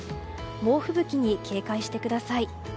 猛吹雪に警戒してください。